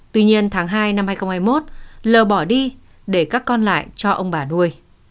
tuy nhiên tháng hai năm hai nghìn hai mươi một l bỏ đi để các con lại cho ông bà nuôi